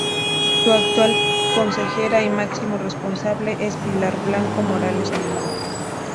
Su actual consejera y máximo responsable es Pilar Blanco-Morales Limones.